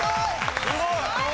すごい。